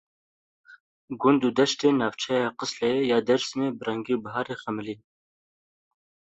Gund û deştên navçeya Qisleyê ya Dêrsimê bi rengê biharê xemilîn.